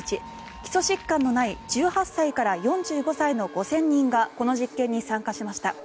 基礎疾患のない１８歳から４５歳の５０００人がこの実験に参加しました。